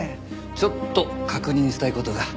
ちょっと確認したい事が。